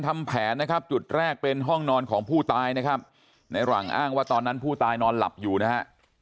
ทำแผนนะครับจุดแรกเป็นห้องนอนของผู้ตายนะครับในหลังอ้างว่าตอนนั้นผู้ตายนอนหลับอยู่นะฮะ